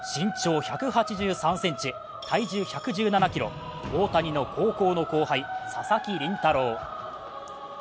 身長１８３ｃｍ、体重１１７ｋｇ大谷の高校の後輩、佐々木麟太郎。